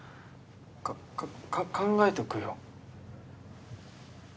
かか考えとくよ。